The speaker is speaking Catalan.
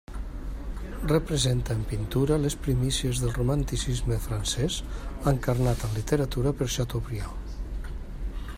Representa en pintura les primícies del romanticisme francès, encarnat en literatura per Chateaubriand.